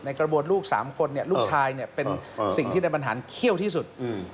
กระบวนลูก๓คนลูกชายเป็นสิ่งที่นายบรรหารเขี้ยวที่สุด